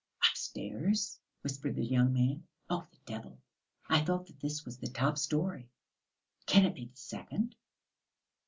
"Upstairs!" whispered the young man. "Oh, the devil! I thought that this was the top storey; can it be the second?"